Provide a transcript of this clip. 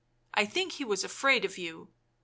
I think he was afraid of you .